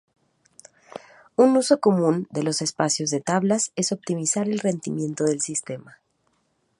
Un uso común de los espacios de tablas es optimizar el rendimiento del sistema.